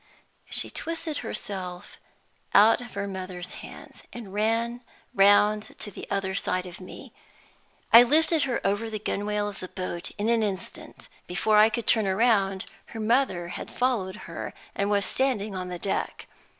She twisted herself out of her mother's hands, and ran round to the other side of me. I lifted her over the gunwale of the boat in an instant. Before I could turn round, her mother had followed her, and was standing on the deck.